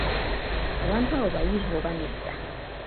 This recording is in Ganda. Abantu abo bayivu oba nedda?